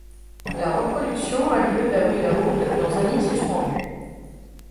La reproduction a lieu d'avril a août dans un nid suspendu.